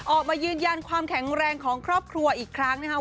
ออกมายืนยันความแข็งแรงของครอบครัวอีกครั้งนะครับ